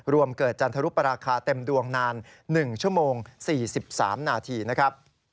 รวมเกิดจันทรุปราคาเต็มดวงนาน๑ชั่วโมง๔๓นาทีนะครับ